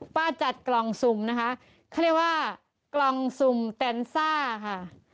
จัดกล่องสุ่มนะคะเขาเรียกว่ากล่องสุ่มแตนซ่าค่ะ